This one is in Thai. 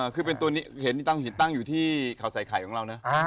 เห็นต้างอยู่ที่เขาใส่ไข่ของเราเนอะ